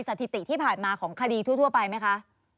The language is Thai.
สถิติที่ผ่านมาของคดีทั่วไปไหมคะ